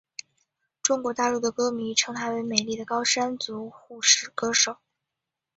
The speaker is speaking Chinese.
中国大陆的歌迷称她为美丽的高山族护士歌手。